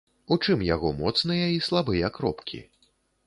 У чым яго моцныя і слабыя кропкі.